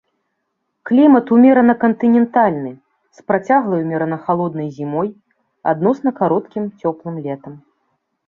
Клімат умерана кантынентальны з працяглай умерана халоднай зімой, адносна кароткім цёплым летам.